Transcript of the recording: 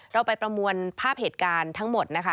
เราไปประมวลภาพเหตุการณ์ทั้งหมดนะคะ